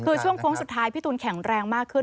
คือช่วงโค้งสุดท้ายพี่ตูนแข็งแรงมากขึ้น